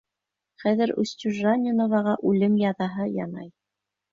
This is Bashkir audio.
Хәҙер Устюжаниноваға үлем язаһы янай.